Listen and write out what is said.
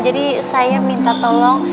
jadi saya minta tolong